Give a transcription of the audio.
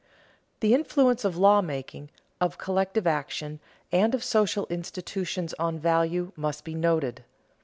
The influence of lawmaking, of collective action, and of social institutions on value must be noted.